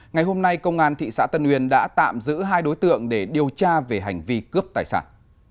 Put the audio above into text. ngày hôm nay công an thị xã tân uyên đã tạm giữ hai đối tượng để điều tra về hành vi cướp tài sản